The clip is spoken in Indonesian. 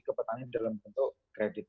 ke petani dalam bentuk kredit